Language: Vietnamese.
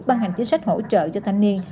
ban hành chính sách hỗ trợ cho thanh niên